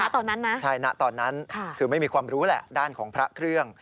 ตอนนั้นนะใช่นะตอนนั้นคือไม่มีความรู้แหละด้านของพระเครื่อง